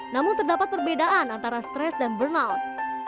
namun terdapat perbedaan antara stres dan burnout